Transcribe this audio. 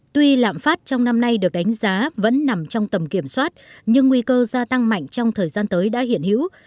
tuy lạm phát trong năm nay được đánh giá vẫn nằm trong tầm kiểm soát nhưng nguy cơ gia tăng mạnh trong thời gian tới đã hiện hữu